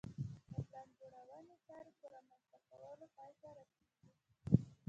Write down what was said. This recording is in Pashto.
د پلان جوړونې چارې په رامنځته کولو پای ته رسېږي